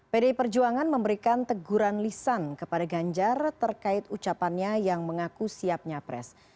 pd perjuangan memberikan teguran lisan kepada ganjar terkait ucapannya yang mengaku siapnya pres